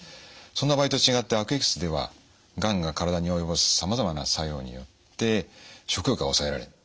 そんな場合と違って悪液質ではがんが体に及ぼすさまざまな作用によって食欲が抑えられる。